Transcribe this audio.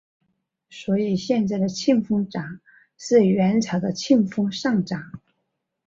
所以现在的庆丰闸是元朝的庆丰上闸。